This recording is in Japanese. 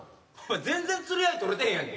全然釣り合い取れてへんやんけ。